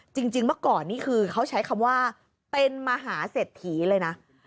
จริงเมื่อก่อนนี่คือเขาใช้คำว่าเป็นมหาเศรษฐีเลยนะ